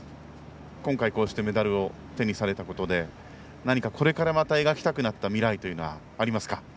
今回、こうしてメダルを手にされたことで何かこれからまた描きたくなった未来というのはありますか？